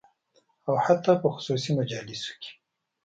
او حتی په خصوصي مجالسو کې